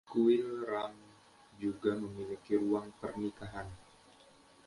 Kuil Ram juga memiliki ruang pernikahan.